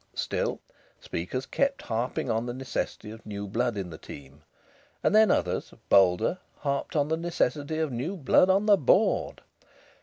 Still, speakers kept harping on the necessity of new blood in the team, and then others, bolder, harped on the necessity of new blood on the board.